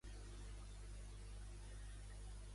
En oposició a qui han pres aquest dictamen el Suprem?